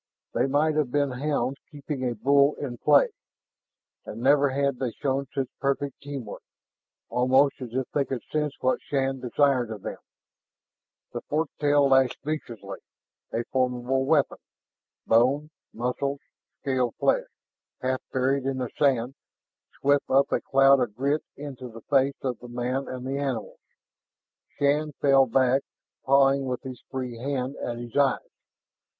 They might have been hounds keeping a bull in play. And never had they shown such perfect team work, almost as if they could sense what Shann desired of them. That forked tail lashed viciously, a formidable weapon. Bone, muscles, scaled flesh, half buried in the sand, swept up a cloud of grit into the face of the man and the animals. Shann fell back, pawing with his free hand at his eyes.